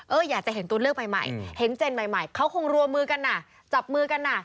อยากจะเห็นตัวเลือกใหม่เห็นเจนใหม่เขาคงรวมมือกันอ่ะจับมือกันอ่ะ